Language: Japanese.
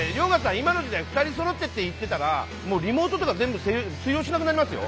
今の時代２人そろってって言ってたらリモートとか全部通用しなくなりますよ。